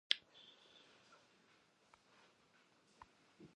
ټول افغانستان د بامیان د لرغوني ولایت له امله مشهور دی.